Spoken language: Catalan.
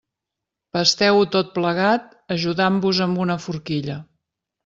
Pasteu-ho tot plegat ajudant-vos amb una forquilla.